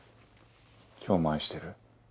今日も愛してる？